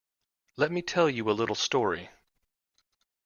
Let me tell you a little story.